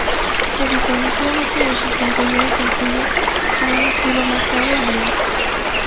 Se diferencia mucho de sus anteriores sencillos, con un estilo más suave y lento.